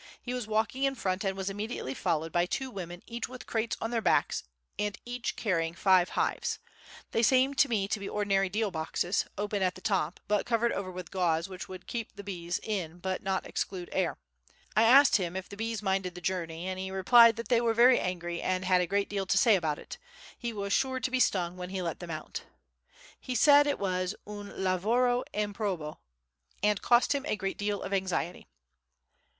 He was walking in front and was immediately followed by two women each with crates on their backs, and each carrying five hives. They seemed to me to be ordinary deal boxes, open at the top, but covered over with gauze which would keep the bees in but not exclude air. I asked him if the bees minded the journey, and he replied that they were very angry and had a great deal to say about it; he was sure to be stung when he let them out. He said it was "un lavoro improbo," and cost him a great deal of anxiety.